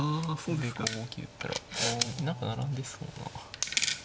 で５五桂打ったら何か並んでそうな。